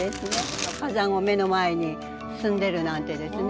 火山を目の前に住んでるなんてですね